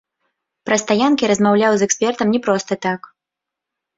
Пра стаянкі размаўляю з экспертам не проста так.